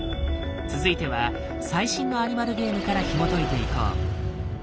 続いては最新のアニマルゲームからひもといていこう。